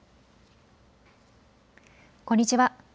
こんにちは。